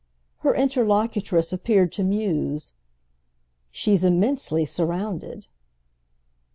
Her interlocutress appeared to muse. "She's immensely surrounded."